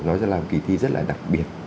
nó là một kỳ thi rất là đặc biệt